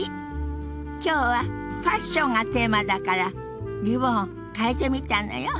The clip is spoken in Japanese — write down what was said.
今日は「ファッション」がテーマだからリボンを替えてみたのよ。